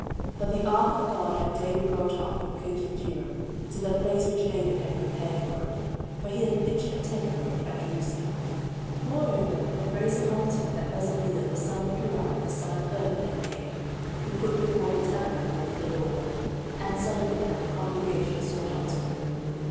14:001:004 But the ark of God had David brought up from Kirjathjearim to the place which David had prepared for it: for he had pitched a tent for it at Jerusalem. 14:001:005 Moreover the brasen altar, that Bezaleel the son of Uri, the son of Hur, had made, he put before the tabernacle of the LORD: and Solomon and the congregation sought unto it.